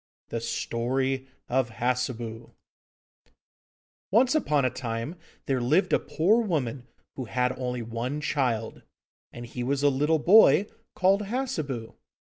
THE STORY OF HASSEBU Once upon a time there lived a poor woman who had only one child, and he was a little boy called Hassebu.